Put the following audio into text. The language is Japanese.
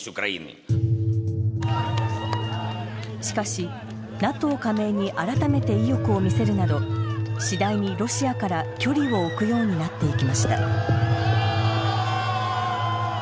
しかしＮＡＴＯ加盟に改めて意欲を見せるなど次第にロシアから距離を置くようになっていきました。